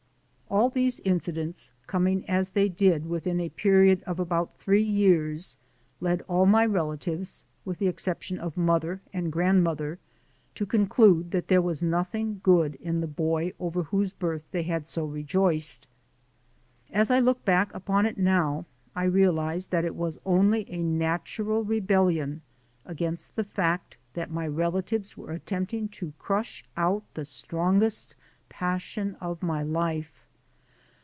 All these incidents, coming as they did within a period of about three years, led all my relatives, with the exception of mother and grandmother, to conclude that there was nothing good in the boy over whose birth they had so rejoiced. As I look back upon it now, I realize that it was only a natural rebellion against the fact that my relatives were attempting to crush out the strongest passion of my life.